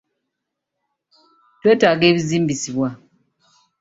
Twetaaga ebizimbisibwa.